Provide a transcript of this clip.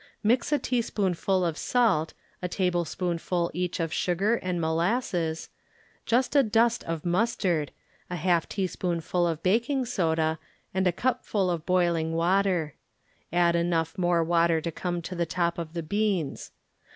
Mix a teaspoonful of salt, a tablespoon ful each ot sugar and molasses, just a dust of mustard, a half teaspoonful of baking soda and a cupful of boiling water. Add enough more water to come to the top of the beans.